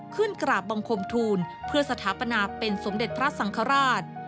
ขึ้นกราบบังคมทูลเพื่อสถาปนาเป็นสมเด็จพระสังฆราช